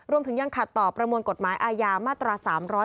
รวมถึงยังขัดต่อประมวลกฎหมายอาญามาตรา๓๒